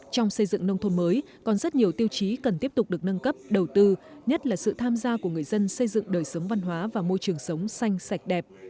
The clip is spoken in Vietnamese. trong xây dựng nông thôn mới còn rất nhiều tiêu chí cần tiếp tục được nâng cấp đầu tư nhất là sự tham gia của người dân xây dựng đời sống văn hóa và môi trường sống xanh sạch đẹp